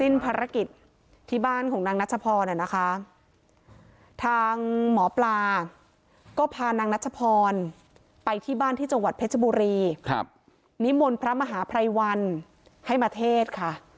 นิมนต์พระมหาภรรยวรรณให้มาเทศค่ะ